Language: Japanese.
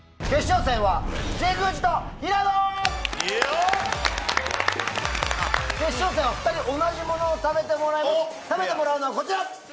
決勝戦は２人同じものを食べてもらいます。